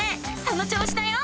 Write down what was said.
その調子だよ！